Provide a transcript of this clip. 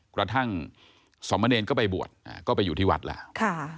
กระทั่งสมเนรก็ไปบวชก็ไปอยู่ที่วัดแล้ว